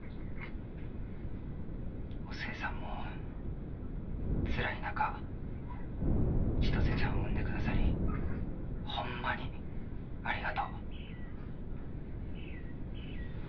お寿恵さんもつらい中千歳ちゃんを産んでくださりホンマにありがとう。